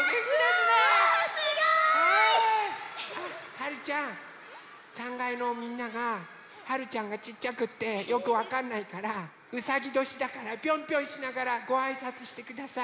はるちゃん３かいのみんながはるちゃんがちっちゃくってよくわかんないからうさぎどしだからピョンピョンしながらごあいさつしてください。